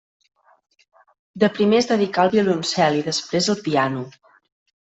De primer es dedicà al violoncel i després al piano.